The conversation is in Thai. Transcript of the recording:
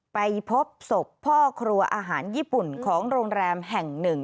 ไปพบศพพ่อครัวอาหารญี่ปุ่นของโรงแรมแห่งหนึ่ง